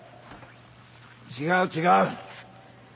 違う違う。